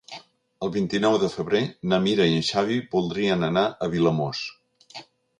El vint-i-nou de febrer na Mira i en Xavi voldrien anar a Vilamòs.